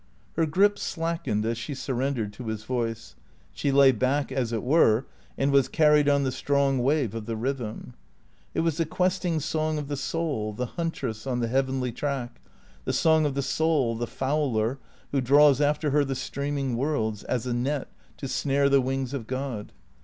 Her grip slackened as she surrendered to his voice. She lay back, as it were, and was carried on the strong wave of the rhythm. It was the questing song of the soul, the huntress, on the heavenly track; the song of the soul, the fowler, who draws after her the streaming worlds, as a net, to snare the wings of God.